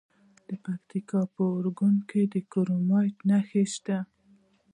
د پکتیکا په ارګون کې د کرومایټ نښې شته.